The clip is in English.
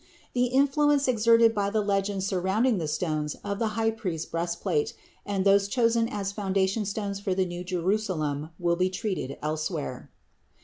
The influence exerted by the legends surrounding the stones of the high priest's breastplate, and those chosen as foundation stones for the New Jerusalem, will be treated of elsewhere.